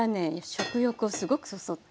食欲をすごくそそって。